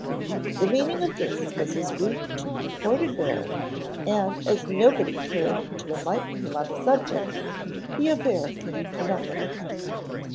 The meaning of this was as Greek to the imported bear, and as nobody cared to enlighten him on the subject the affair came to nothing.